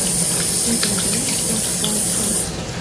Тидын дене от полшо.